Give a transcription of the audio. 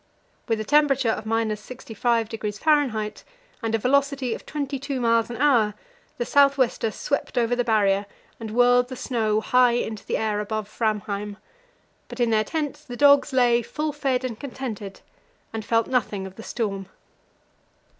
With a temperature of 65° F., and a velocity of twenty two miles an hour, the south wester swept over the Barrier, and whirled the snow high into the air above Framheim; but in their tents the dogs lay, full fed and contented, and felt nothing of the storm.